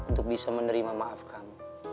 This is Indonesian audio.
untuk bisa menerima maaf kami